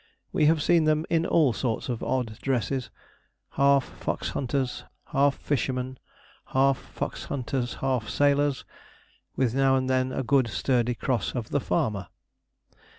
We have seen them in all sorts of odd dresses, half fox hunters half fishermen, half fox hunters half sailors, with now and then a good sturdy cross of the farmer.